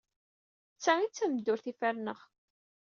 D ta ay d tameddurt ay ferneɣ.